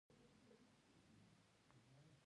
د کتار په سر کښې دوه خړ امريکايي ټانگان روان وو.